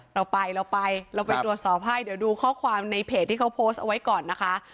เราไปเราไปเราไปตรวจสอบให้เดี๋ยวดูข้อความในเพจที่เขาโพสต์เอาไว้ก่อนนะคะ